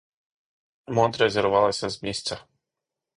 Мотря зірвалася з місця.